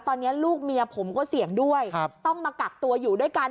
ตอนนี้ลูกเมียผมก็เสี่ยงด้วยต้องมากักตัวอยู่ด้วยกัน